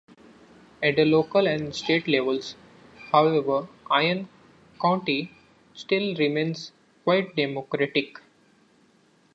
At the local and state levels, however, Iron County still remains quite Democratic.